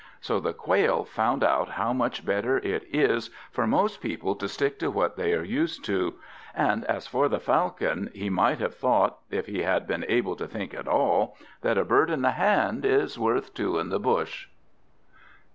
So the Quail found out how much better it is for most people to stick to what they are used to; and as for the Falcon, he might have thought, if he had been able to think at all, that a bird in the hand is worth two in the bush.